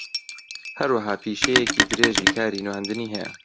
ھەروەھا پیشەیەکی درێژی کاری نواندنی ھەیە